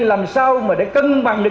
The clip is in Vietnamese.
làm sao mà để cân bằng được